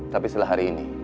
tapi setelah hari ini